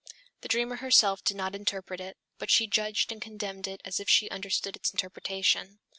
The dreamer herself did not interpret it, but she judged and condemned it as if she understood its interpretation.